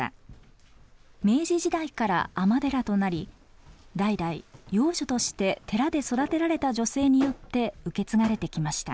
明治時代から尼寺となり代々養女として寺で育てられた女性によって受け継がれてきました。